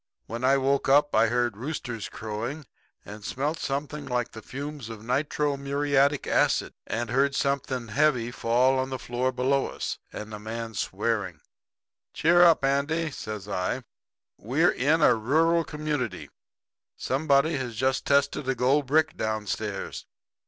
"When I woke up I heard roosters crowing, and smelt something like the fumes of nitro muriatic acid, and heard something heavy fall on the floor below us, and a man swearing. "'Cheer up, Andy,' says I. 'We're in a rural community. Somebody has just tested a gold brick downstairs.